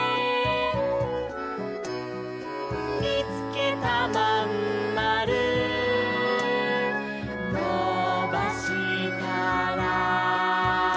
「みつけたまんまるのばしたら」